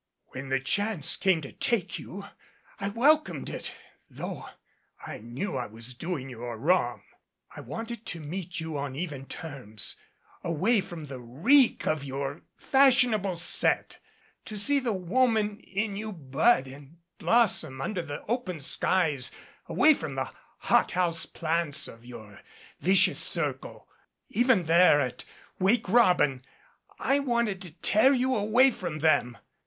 When the chance came to take you, I wel comed it, though I knew I was doing you a wrong. I wanted to meet you on even terms, away from the reek of your fashionable set to see the woman in you bud and blossom under the open skies away from the hothouse plants of your vicious circle. Even there at 'Wake Robin,' I wanted to tear you away from them.